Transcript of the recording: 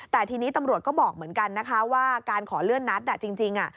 แต่ทีนี้ตำรวจก็บอกเหมือนกันนะคะว่าการขอเลื่อนนัดจริง